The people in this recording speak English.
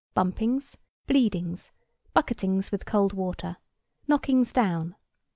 Bumpings. Bleedings. Bucketings with cold water. Knockings down.